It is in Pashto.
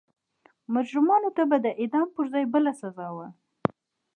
مجرمانو ته به د اعدام پر ځای بله سزا وه.